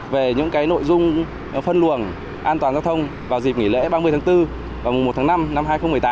về những nội dung phân luồng an toàn giao thông vào dịp nghỉ lễ ba mươi tháng bốn và mùa một tháng năm năm hai nghìn một mươi tám